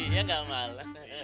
ya nggak malah